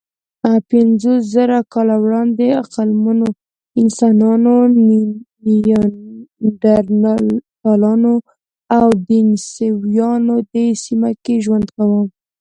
پنځوسزره کاله وړاندې عقلمنو انسانانو، نیاندرتالانو او دنیسووایانو دې سیمه کې ژوند کاوه.